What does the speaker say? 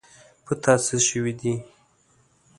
په تا څه شوي دي.